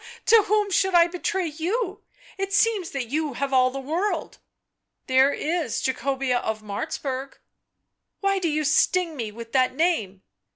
" To whom should I betray you ! It seems that you have all the world !" "There is Jacobea of Martzburg." "Why do you sting me with that name?"